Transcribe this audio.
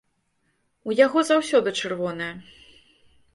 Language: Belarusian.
У яго заўсёды чырвоная.